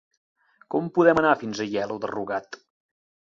Com podem anar fins a Aielo de Rugat?